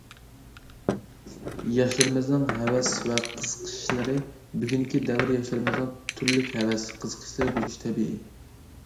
ياشلىرىمىزنىڭ ھەۋەس ۋە قىزىقىشلىرى بۈگۈنكى دەۋر ياشلىرىمىزنىڭ تۈرلۈك ھەۋەس، قىزىقىشلىرى بولۇشى تەبىئىي.